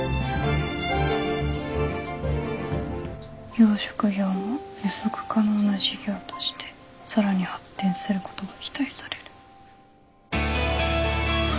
「養殖業も予測可能な事業としてさらに発展することが期待される」。